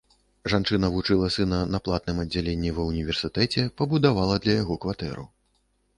Жанчына вучыла сына на платным аддзяленні ва ўніверсітэце, пабудавала для яго кватэру.